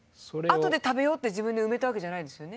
後で食べようって自分で埋めたわけじゃないですよね？